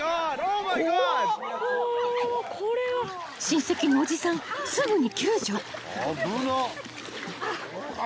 ［親戚のおじさんすぐに救助］